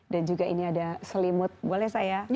dan juga ini ada selimut boleh saya buka